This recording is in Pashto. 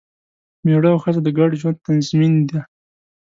مېړه او ښځه د ګډ ژوند تضمین دی.